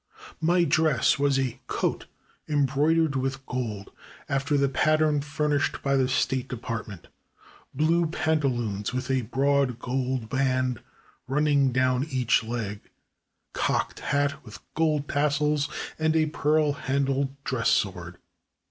My dress was a coat embroidered with gold after the pattern furnished by the State Department, blue pantaloons with a broad gold band running down each leg, cocked hat with gold tassels, and a pearl handled dress sword.